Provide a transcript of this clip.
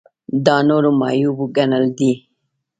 دا نورو معیوب ګڼل دي.